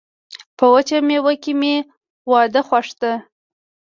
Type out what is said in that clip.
په وچه میوه کي مي واده خوښ ده.